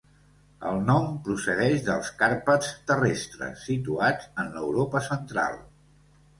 El nom procedeix dels Carpats terrestres, situats en l'Europa Central.